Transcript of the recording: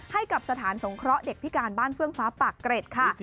ให้กับสถานสงเคราะห์เด็กพิการบ้านเฟื่องฟ้าปากเกร็ดค่ะ